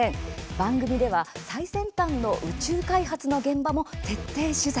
番組では、最先端の宇宙開発の現場も徹底取材。